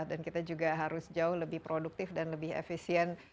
dan kita juga harus jauh lebih produktif dan lebih efisien